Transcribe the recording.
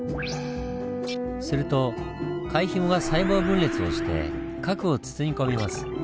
すると貝ひもが細胞分裂をして核を包み込みます。